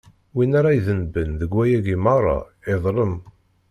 Win ara idenben deg wayagi meṛṛa, iḍlem.